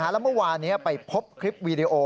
แล้วเมื่อวานนี้ไปพบคลิปวีดีโอ